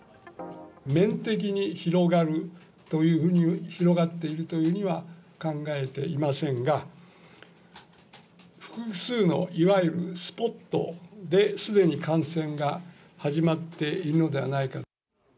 面的に広がるという、広がっているというふうには考えていませんが、複数のいわゆるスポットですでに感染が始まっているのではないか。